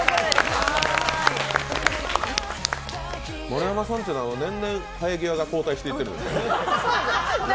丸山さんというのは年々、生え際が後退していってるんですね。